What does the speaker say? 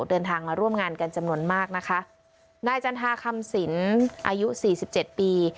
เดินทางมาร่วมงานกันจำนวนมากนะคะนายจันทาคำสินอายุสี่สิบเจ็ดปี